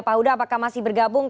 pak huda apakah masih bergabung